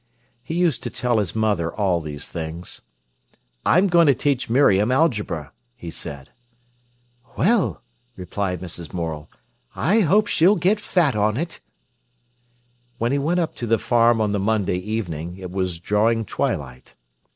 He used to tell his mother all these things. "I'm going to teach Miriam algebra," he said. "Well," replied Mrs. Morel, "I hope she'll get fat on it." When he went up to the farm on the Monday evening, it was drawing twilight.